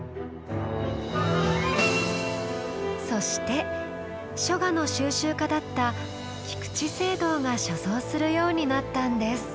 そして書画の収集家だった菊池惺堂が所蔵するようになったんです。